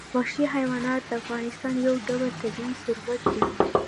وحشي حیوانات د افغانستان یو ډول طبعي ثروت دی.